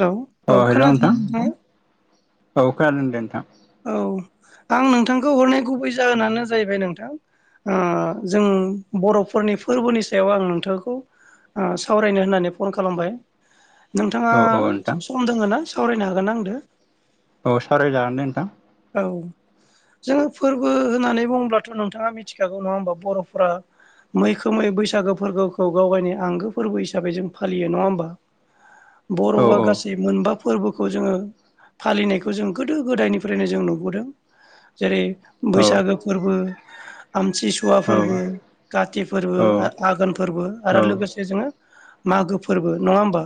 Hello औ अ hello खोनादों नोंथां औ खोनादों दे नोंथां। औ आं नोंथांखौ हरनाय गुबै जाहोनानो जाहैबाय नोंथां ओ जों बर'फोरनि फोरबोनि सायाव आं नोंथांखौ ओ सावरायनो होननानै फन खालामबाय। नोंथाङा औ औ नोंथां सम दोङ ना सावरायनो हागोन आंदो? औ सावरायजागोन दे नोंथां। औ जोङो फोरबो होननानै बुङोबथ' नोंथाङा मिथिखागौ नङा होमबा बर'फोरा मैखोमै बैसागो फोरबोखौ गाव गावनि आंगो फोरबो हिसाबै जों फालियो नङा होमबा। औ बर'आ औ गासै मोनबा फोरबोखौ जोङो फालिनायखौ जों गोदो गोदायनि फा फ्रायनो जों नुबोदों जेरै औ बैसागो फोरबो, आमथि सु वा औ फोरबो, काति फोरबो, औ आ-आगोन फोरबो आरो लोगोसे जोङो मागो फोरबो नङा होमबा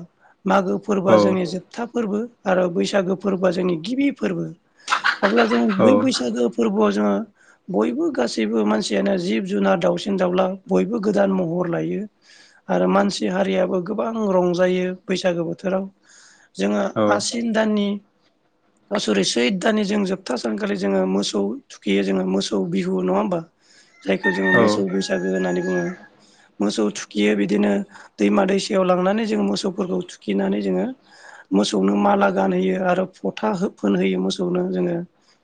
मागो फो फोरबोआ जोंनि जोबथा फोरबो आरो बैसागो फोरबोआ जोंनि गिबि फोरबो। अब्ला जोङो औ बै बैसागो फोरबोआव जोङो बयबो गासिबो मानसियानो जिब जुनार दावउसिन दाउला बयबो गोदान महर लायो। आरो मानसि हारियाबो गोबां रंजायो बैसागो बोथोराव। जोङो औ नोंथां औ आसिन दाननि अ सरि ओय दानानि जों जोबथा सानखालि जोङो मोसौ थुखैयो जोङो मोसौ बिहु नङा होमबा? जायखौ जोङो मोसौ बैसागो होननानै बुङो। मोसौ थुखियो बिदिनो दैमा दैसायाव लांनानै जोङो मोसौफोरखौ थुखिनानै जोङो मोसौनो माला गानहोयो आरो फथा फोनहोयो मोसौ सौनो जोङो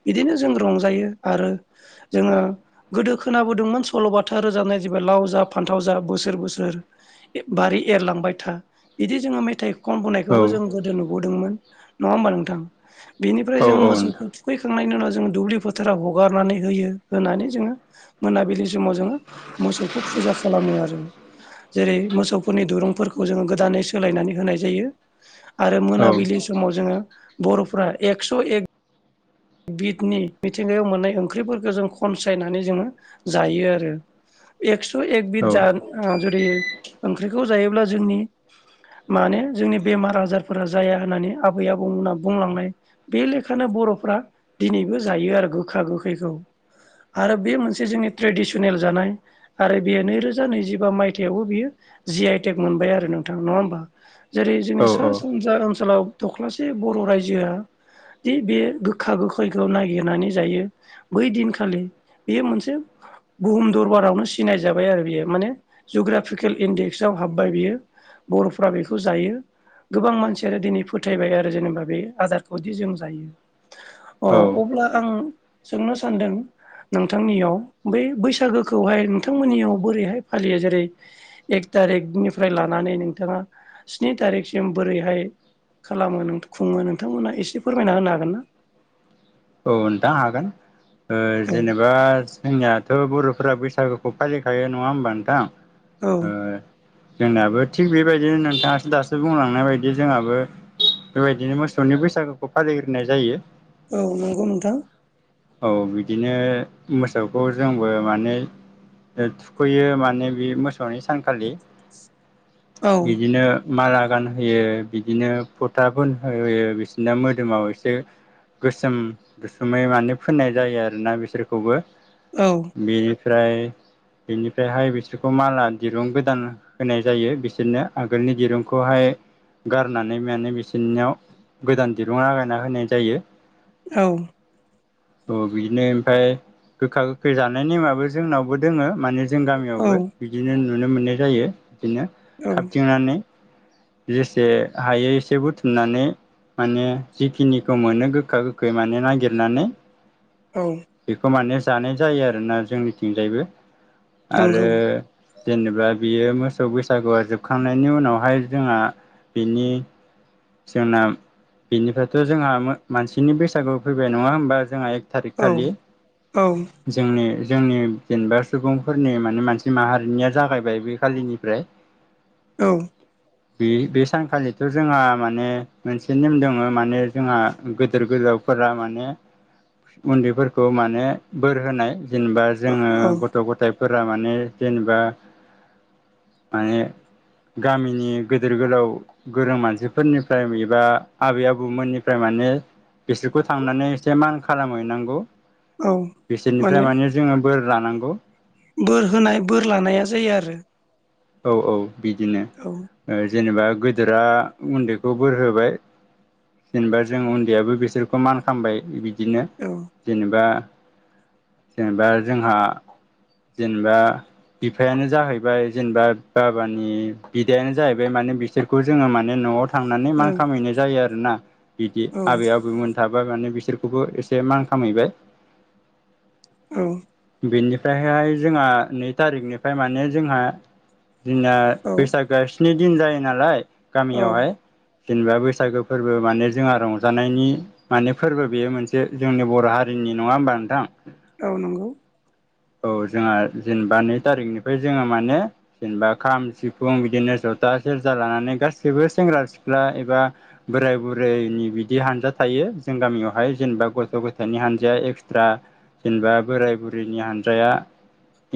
बिदिनो जों रंजायो आरो जोङो गोदो खोनाबोदोंमोन सल'बाथा रोजाबनाय जेबा लाव जा फान्थाव जा बोसोर-बोसोर बारि एरलांबाय था बिदि जोङो मेथाइ खनबोनायखौबो जों गोदो नुबोदोंमोन नङा होमबा नोंथां बेनिफ्राय जोङो मोसौखौ थुख खैखांनायनि उनाव जोङो दुब्लि फोथाराव हगारनानै होयो होनानै जोङो मोनाबिलि समाव जोङो मोसौखौ फुजा खालामो आरो। जेरै मोसौफोरनि दुरुंफोरखौ जोङो गोदानै सोलायनानै होनाय जायो। आरो मोनाबिलि समाव जोङो बर'फ्रा एकस' एक बिदनि मिथिंगायाव मोननाय ओंख्रिफोरखौ जों खनसायनानै जोङो जायो आरो। एक्स' एक बिद जा जुदि ओंख्रिखौ जायोब्ला जोंनि माने जोंनि बेमार आजारफोरा जाया होननानै आबै आबौमोनहा बुंलांनाय बे लेखानो बर'फ्रा दिनैबो जायो आरो गोखा गोखैखौ। आरो बे मोनसे जोंनि ट्रेडिसनेल जानाय आरो बेयो नैरोजा नैजिबा मायथायाइयावबो बियो जि आइ टेक मोनबाय आरो नोंथां नङा होमबा? जेरै जोंनि सा औ सानजा ओनसोलाव दख्लासे बर' रायजोआ दि बे गोख खा गोखैखौ नागिरनानै जायो बै दिनखालि बेयो मोनसे बुहुम दरबारावनो सिनाय जाबाय आरो बियो माने जिवग्राफिकेल इन्डेक्सआव हाब्बाय बियो। बर'फ्रा बेखौ जायो। गोबां मानसियानो दिनै फोथायबाय आरो जेनेबा बे आदारखौदि जों जायो। अ औ अब्ला आं सोंनो सानदों नोंथांनियाव बै बैसागोखौहाय नोंथांमोननियाव बोरैहाय फालियो जेरै एक थारिकनिफ्राय लानानै नोंथाङा स्नि तारिखसिम बोरैहाय खालामो खुङो नोंथांमोनहा एसे फोरमायना होनो हागोन ना? औ नोंथां हागोन जेनेबा जोंनियाथ' बर'फोरा बैसागुखौ फालिखायो नङा होमबा नोंथां ओ जोंनियाबो थिग बेबायदिनो नोंथाङासो दासो बुंलांनाय बायदि जोंहाबो बेबायदिनो मोसौनि बैसागुखौ फालिग्रोनाय जायो। औ नंगौ नोंथां। औ बिदिनो मोसौखौ जोंबो माने थुखैयो माने बे मोसौनि सानखालि औ नंगौ नोंथां औ बिदिनो माला गानहोयो बिदिनो फथा फोनहोयो बिसोरना मोदोमाव एसे गोसोम दुसुमै माने फोननाय जायो आरोना बिसोरखौबो। औ। बेनिफ्राय बेनिफ्रायहाय बिसोरखौ माला दिरुं गोदान होनाय जायो बिसोरनो आगोलनि दिरुंखौहाय गारनानै माने बिसोरनियाव गोदान दिरुं लागायना होनाय जायो। औ। अ बिदिनो ओमफ्राय गोखा गोखै जानाय नेमाबो जोंनावबो दोङो माने जों औ गामियावबो बिदिनो नुनो मोननाय जायो बिदिनो औ खाबथिंनानै। जेसे हायो एसे बुथुमनानै माने जिखिनिखौ मोनो गोखा गोखै माने नागिरनानै औ बेखौ माने जानाय जायो आरोना जोंनिथिंजायबो आरो नंगौ जेनेबा बियो मोसौ बैसागुआ जोबखांनायनि उनावहाय जोंहा बिनि जोंना बिनिफ्रायथ' जोंहा मानसिनि बैसागु फैबाय नङा होमबा। जोंहा एक थारिक औ खालि औ जोंनि जोंनि जेनेबा सुबुंफोरनि माने मानसि माहारिनिया जागायबाय बे खालिनिफ्राय। औ बे -बे सानखालिथ' जोंहा माने मोनसे नेम दङ माने जोंहा गोदोर -गोलाव फोरा माने उन्दैफोरखौ माने बोर होनाय जेनेबा जोङो औ गथ' गथाय फोरा माने जेनेबा माने गामिनि गेदेर गोलाव गोरों मानसिफोरनिफ्राय एबा आबै आबौमोननिफ्राय माने बिसोरखौ थांनानै एसे मान खालामहैनांगौ औ बिसोरनिफ्राय माने जोङो बोर लानांगौ। बोर होनाय बोर लानाया जायो आरो। औ औ बिदिनो। औ जेनेबा गोदोरा उन्दैखौ बोर होबाय। जेनेबा जों उन्दैयाबो बिसोरखौ मान खालामामबाय बिदिनो औ जेनेबा जेनेबा जोंहा जेनेबा बिफायानो जाहैबाय जेनेबा बाबानि बिदायानो जाहैबाय माने बिसोरखौ जोङो माने न'आव थांनानै औ मान खामायनाय जायो आरोना बिदि औ आबै- आबौमोन थाबा माने बिसोरखौबो एसे मान खामैबाय। औ बेनिफ्रायहाय जोंहा नै थारिखनिफ्राय माने जोंहा जोंना औ बैसागोआ स्नि दिन जायो नालाय गामियावहाय। जेनेबा बैसागो फोरबो माने जोंहा रंजानायनि माने फोरबो बेयो मोनसे जोंनि बर' हारिनि नङा होमबा नोंथां? औ नंगौ। औ जोंहा जेनेबा नै थारिखनिफ्राय जोङो माने जेनेबा खाम, सिफुं बिदिनो जथा सेरजा लानानै गाैबो सेंग्रा सिख्ला एबा बोराय बुरैनि बिदि हानजा थायो जों गामियावहाय जेनेबा गथ' गथायनि हानजाया एक्सट्रा जेनेबा बोराय बुरैनि हानजाया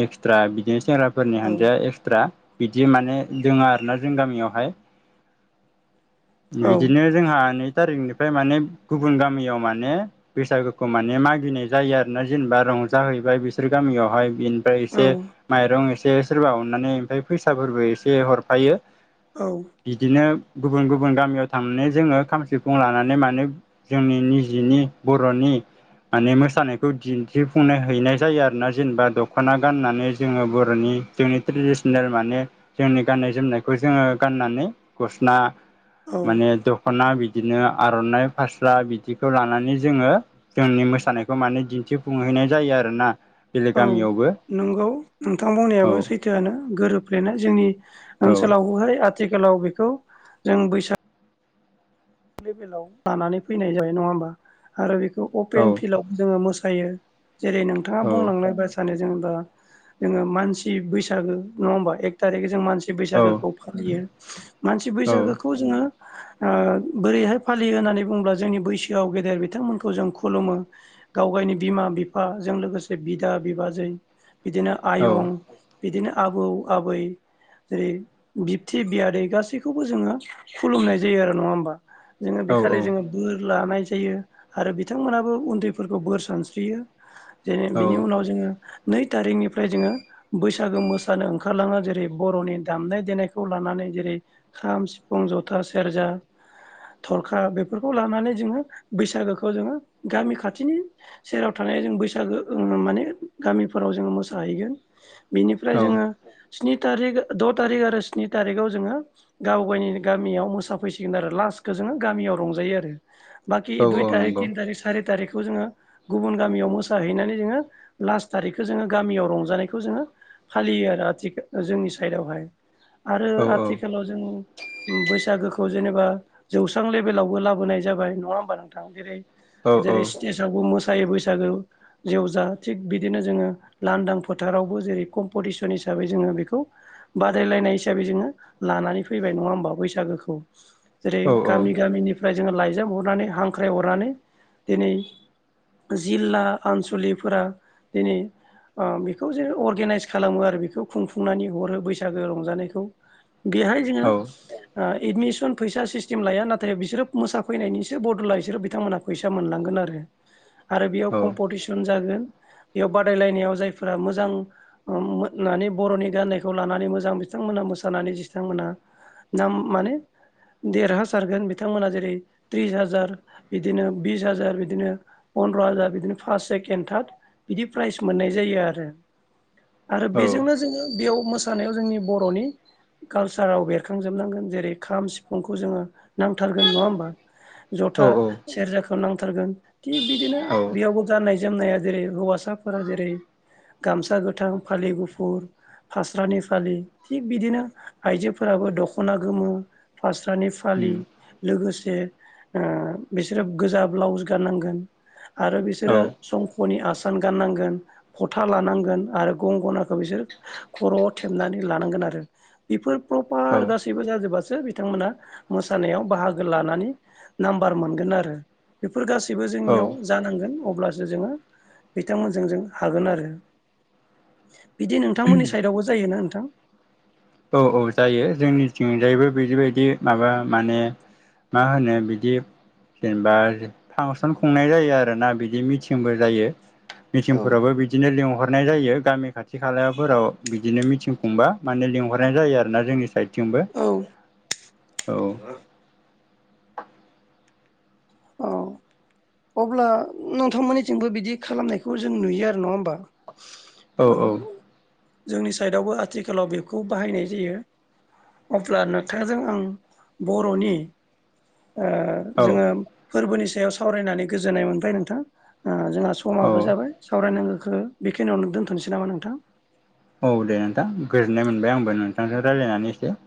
एक्सट्रा बिदिनो सेंग्राफोरनि औ हानजाया एक्सट्रा बिदि माने दोङ आरोना जों गामियावहाय औ बिदिनो जोंहा नै थारिखनिफ्राय माने गुबुन गामियाव माने बैसागुखौ माने मागिनाय जायो आरोना जेनेबा रंजाहैबाय बिसोर गामियावहाय ओमफ्राय औ एसे माइरं एसे सोरबा अननानै ओमफ्राय फैसाफोरबो एसे हरफायो। औ बिदिनो गुबुन- गुबुन गामियाव थांनानै जोङो खाम सिफुं लानानै मानो जोंनि निजिनि बर'नि माने मोसानायखौ दिन्थिफुंनो हैनाय जायो आरो ना जेनेबा दख'ना गाननानै जोङो बर'नि जोंनि ट्रेडिसनेल माने जोंनि जोमनायखौ जोङो गाननानै औ माने दख'ना बिदिनो आर'नाइ फास्ला बिदिखौ लानानै जोङो जोंनि मोसानायखौ माने दिन्थिफुंहैनाय जायो आरोना। बेलेग औ गामियावबो नंगौ नोंथां औ बुंनायाबो सैथोआनो गोरोबफ्लेनाय जोंनि औ ओनसोलावबोहाय आथिखालाव बेखौ जों बैसागो लानानै फैनाय जाबाय नङा होमबा आरो बेखौ औ अपेन फिल्डआव जोङो मोसायो। जेरै नोंथाङा औ बुंलांलाय बायसानो जेनबा जोङो मानसि बैसागो नङा होनबा एक थारि जों मानसि औ बैसागोखौ फालियो मानसि औ बैसागोखौ जोङो ओ बोरैहाय फालियो होननानै बुंङोब्ला जोंनि बैसोआव गेदेर बिथांमोनखौ जों खुलुमो। गाव गायनि बिमा बिफाजों लोगोसे बिदा-बिबाजै बिदिनो आयं बिदिनो आबौ-आबै जेरै बिबथि बियादै गासैखौबो जोङो खुलुमनाय जायो आरो नङा होमबा? जोङो औ बेखालि जोङो बोर लानाय जायो आरो बिथांमोनाबो उन्दैफोरखौ बोर सानस्रियो। जेन औ बिनि उनाव नै थारिखनिफ्राय जोङो। बैसागो मोसानो ओंखारलांङा जेरै बर'नि दामनाय देनायखौ लानानै जेरै खाम, सिफुं, जथा, सेरजा थरखा बेफोरखौ लानानै जोङो बैसागोखौ जोङो गामि खाथिनि सेराव थानाय जों बैसागो माने गामिफोराव जोंङो मोसाहैयो। बेनिफ्राय औ जोङो स्नि तारि द' थारिख आरो स्नि तारिकाव जोङो गाव गायनि गामियाव मोसाफैसिगोन। आरो लास्टखौ जोङो गामियाव रंजायो आरो बाखि औ दुइ औ थारिख नंगौ थिन थारिख सारि थारिखखौ जोङो। गुबुन गामियाव मोसाहैनानै जोङो लास्ट थारिखखौ जोङो गामियाव रंजानायखौ जोङो फालियो आरो आथिखालाव जोंनि साइडआवहाय आरो औ आथिखालाव जों बैसागोखौ जेनेबा जौस्रां लेभेलावबो लाबोनाय जाबाय नङा होनबा नोंथां औ जेरै सिथेस बैसागु मोसायो बैसागो जेव जा थिग बिदिनो जोङो। लांदां फोथारावबो जेरै कम्पिटिसन हिसाबै जोङो बेखौ बादायलायनाय हिसाबै जोङो लानानै फैबाय नङा होमबा बैसागोखौ। जेरै औ गामि गामिनिफ्राय जोङो लाइजाब हरनानै हांख्राय हरनानै दिनै जिल्ला आनसलिफोरा दिनै बेखौ जेरै अर्गेनाइस खालामो आरो बेखौ खुंफुंनानै हरो बैसागो रंजानायखौ। बेहाय जोङो ओ एमिसन न फैसा सिस्टेम लाया नाथाय बिसोरो मोसाफैनायनिसो बद'ला बिसोरो बिथांमोनहा फैसा मोनलांगोन आरो। आरो बेयाव कम्पिटिसन जागोन बेयाव बादायलायनायाव जायफोरा मोजां मोनानि बर'नि गाननायखौ लानानै मोजां बिथांमोनहा मोसानानै बिथांमोना नाम माने देरहासारगोन बिथांमोना जेरै त्रिस हाजार बिदिनो बिस हाजार बिदिनो फन्द्र' हाजार बिदिनो फार्स्ट सेकेणड थार्द बिदि प्राइज मोननाय जायो आरो। आरो औ बेजोंनो जोङो बेयाव मोसानायाव जोंनि बर'नि कालसाराव बेरखांजोबनांगोन जेरै खाम सिफुंखौ जोङो नांथारगोन नङा होमबा? जथा सेरजाखौ नांथारगोन थिग बिदिनो औ आ बेयावबो जाननाय-जोमनाया जेरै हौवासाफोरा जेरै गामसा गोथां, फालि गुफुर फास्रानि फालि थिग बिदिनो आइजोफोराबो दख'ना गोमो फास्रानि फालि उम लोगोसे ओ बिसोरो गोजा ब्लाउस गाननांगोन आरो औ बिसोरो संख'नि आसान गाननांगोन। फथा लानांगोन आरो गं गोनाखौ बिसोर खर'आव थेबनानै लानांगोन आरो बेफोर औ प्रपार गासैबो जाजोबासो बिथांमोना मोसानायाव बाहागो लानानै नाम्बार मोनगोन आरो बेफोर गासैबो जोंनियाव जानांगोन अब्लासो जोङो। बिथांमोनजों जों हागोन आरो बिदि नोंथांमोननि साइडआवबो जायोना नोंथां। औ-औ जायो जोंनिथिंजायैबो बेजिबायदि माबा माने मा होनो बिदि जेनेबा फांसन खुंनाय जायो आरोना बिदि मिथिंबो जायो। औ मिथिंफोरावबो बिदिनो लिंहरनाय जायो गामि खाथि खालायावफोराव बिदिनो मिथिं खुंबा माने लिंहर नाय जायो आरोना जोंनि साइदथिंबो औ औ। औ। अब्ला नोंथांमोननिथिंबो बिदि खालामनायखौ जों नुयो आरो नङा होमबा। औ जोंनि साइडआवबो आथिखालाव बेखौ बाहायनाय जायो। अब्ला नोंथांजों आं बर'नि ओ ओ औ जोङो फोरबोनि सायाव सावरायनानै गोजोननाय मोनबाय नोंथां। ओ जोंहा औ समाबो जाबाय सावरायनांगौख बेखिनियावनो दोन्थ'नोसै नामा नोंथां। औ दे नोंथां गोजोननाय मोनबाय आंबो नोंथांजों रायलायनानै एसे।